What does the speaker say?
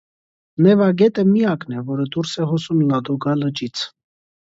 Նևա գետը՝ միակն է, որը դուրս է հոսում Լադոգա լճից։